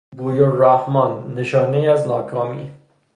بوی الرحمان، نشانهای از ناکامی